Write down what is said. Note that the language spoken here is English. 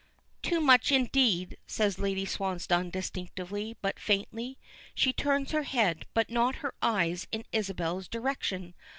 "Too much indeed," says Lady Swansdown distinctly, but faintly. She turns her head, but not her eyes in Isabel's direction.